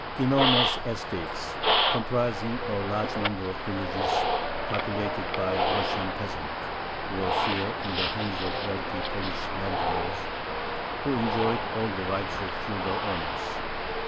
Enormous estates, comprising a large number of villages populated by Russian peasants, were here in the hands of wealthy Polish landlords, who enjoyed all the rights of feudal owners.